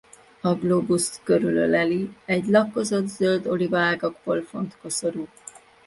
A glóbuszt körülöleli egy lakkozott zöld olíva ágakból font koszorú.